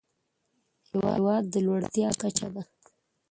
هېواد د لوړتيا کچه ده.